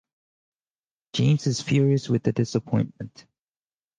James is furious with the disappointment.